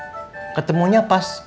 bu ketemunya pas